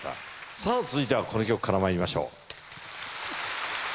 さぁ続いてはこの曲からまいりましょう。